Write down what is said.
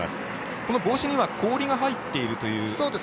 この帽子には氷が入っているという。